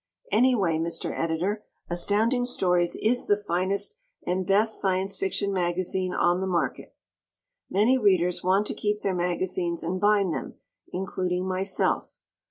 Anyway, Mr. Editor, Astounding Stories is the finest and best Science Fiction magazine on the market. Many Readers want to keep their magazines and bind them, including myself.